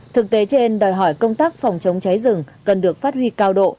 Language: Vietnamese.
thực tế trên đòi hỏi công tác phòng chống cháy rừng cần được phát huy cao độ